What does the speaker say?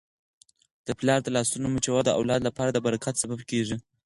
د پلار د لاسونو مچول د اولاد لپاره د برکت سبب کیږي.